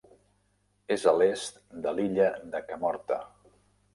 És a l'est de l'illa de Kamorta.